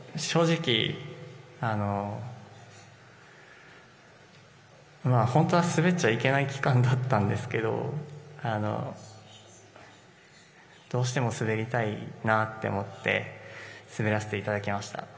正直、本当は滑っちゃいけない期間だったんですけどどうしても滑りたいなと思って滑らせていただきました。